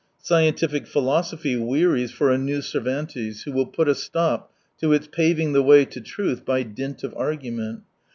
Scientific philosophy wearies 230 for a new Cervantes who will put a stop to its paving the way to truth by dint of argument.